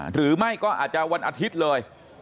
หรือไม่ก็อาจจะวันอาทิตย์เลย